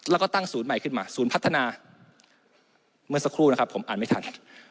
แล้วก็ตั้งศูนย์ใหม่ขึ้นมาศูนย์พัฒนาเมื่อสักครู่นะครับผมอ่านไม่ทัน